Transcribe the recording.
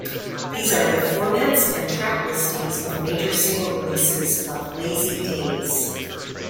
These are the formats and track listings of major single releases of "Lazy Days".